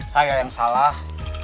saya yang salah